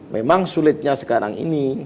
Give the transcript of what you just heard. memang sulitnya sekarang ini